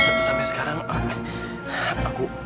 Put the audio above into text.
aku dari dulu sampai sekarang aku